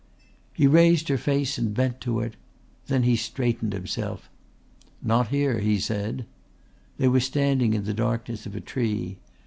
He raised her face and bent to it. Then he straightened himself. "Not here!" he said. They were standing in the darkness of a tree.